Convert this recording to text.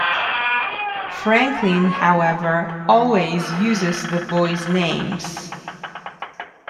Franklin, however, always uses the boys' names.